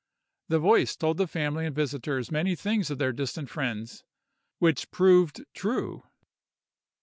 The voice told the family and visiters many things of their distant friends, which proved true.